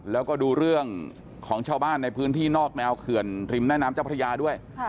แล้วก็ดูเรื่องของชาวบ้านในพื้นที่นอกแนวเขื่อนริมแม่น้ำเจ้าพระยาด้วย